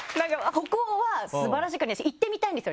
北欧は素晴らしい国だし行ってみたいんですよ